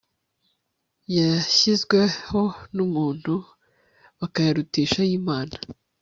yashyizweho numuntu bakayarutisha ayImana